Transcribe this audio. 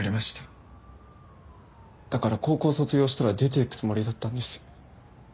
だから高校を卒業したら出ていくつもりだったんです。